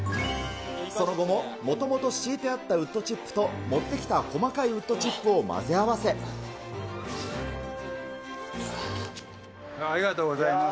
その後も、もともと敷いてあったウッドチップと、持ってきた細かいウッドチありがとうございます。